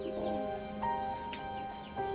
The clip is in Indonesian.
ya sudah ya sudah